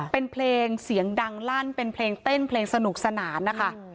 เป็นเพลงเสียงดังลั่นเป็นเพลงเต้นเพลงสนุกสนานนะคะ